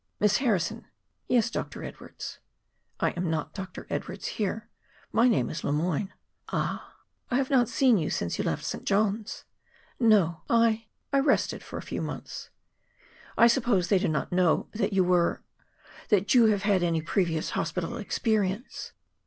"Miss Harrison!" "Yes, Dr. Edwardes." "I am not Dr. Edwardes here; my name is Le Moyne." "Ah!" "I have not seen you since you left St. John's." "No; I I rested for a few months." "I suppose they do not know that you were that you have had any previous hospital experience."